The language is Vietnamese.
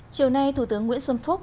chiều nay thủ tướng nguyễn xuân phúc